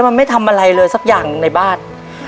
มันไม่ทำอะไรเลยสักอย่างในบ้าน